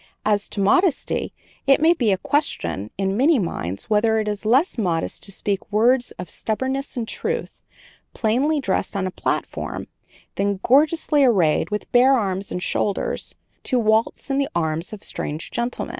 As to modesty, it may be a question, in many minds, whether it is less modest to speak words of soberness and truth, plainly dressed on a platform, than gorgeously arrayed, with bare arms and shoulders, to waltz in the arms of strange gentlemen.